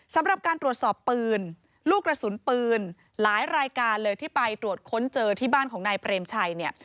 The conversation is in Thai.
สำหรับการตรวจสอบปืนลูกกระสุนปืนหลายรายการเลยที่ไปตรวจค้นเจอที่บ้านของนายเปรมชัยเนี่ย